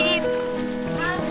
papi tuntut dia